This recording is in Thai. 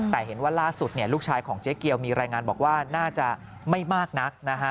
แต่เห็นว่าล่าสุดลูกชายของเจ๊เกียวมีรายงานบอกว่าน่าจะไม่มากนักนะฮะ